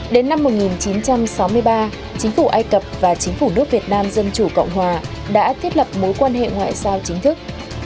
đến năm một nghìn chín trăm sáu mươi ba chính phủ ai cập và chính phủ nước việt nam dân chủ cộng hòa đã thiết lập mối quan hệ ngoại giao chính thức